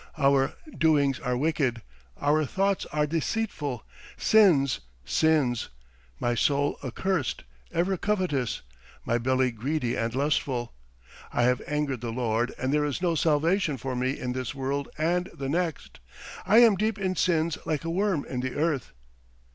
Our doings are wicked, our thoughts are deceitful! Sins, sins! My soul accursed, ever covetous, my belly greedy and lustful! I have angered the Lord and there is no salvation for me in this world and the next. I am deep in sins like a worm in the earth."